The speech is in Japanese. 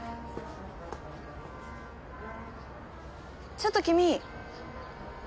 ちょっと君。